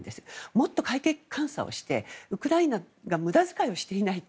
もっと会計監査をしてウクライナが無駄遣いをしていないか。